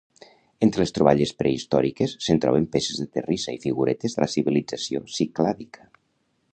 Entre les troballes prehistòriques se'n troben peces de terrissa i figuretes de la civilització ciclàdica.